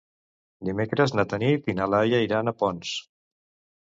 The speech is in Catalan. Dimecres na Tanit i na Laia iran a Ponts.